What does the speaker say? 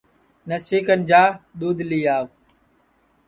نسی کن جا دؔودھ لی آو